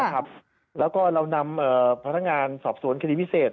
แล้วก็เรานำพนักงานสอบสวนคดีพิเศษ